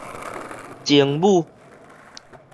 精武